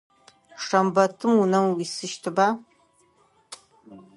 Шэмбэтым унэм уисыщтыба?